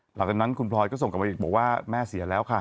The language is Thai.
หลังจากนั้นคุณพลอยก็ส่งกลับมาอีกบอกว่าแม่เสียแล้วค่ะ